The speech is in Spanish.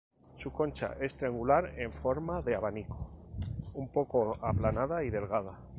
Su concha es triangular en forma de abanico, un poco aplanada y delgada.